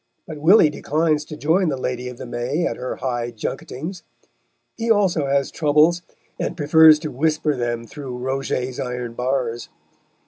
But Willy declines to join the Lady of the May at her high junketings; he also has troubles, and prefers to whisper them through Roget's iron bars.